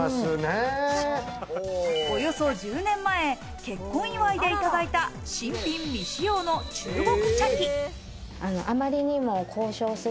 およそ１０年前、結婚祝いでいただいた新品未使用の中国茶器。